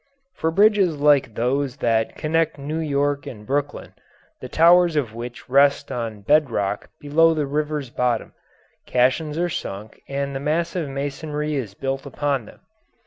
For bridges like those that connect New York and Brooklyn, the towers of which rest on bed rock below the river's bottom, caissons are sunk and the massive masonry is built upon them.